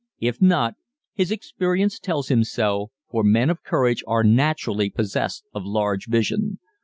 If not, his experience tells him so, for men of courage are naturally possessed of large vision.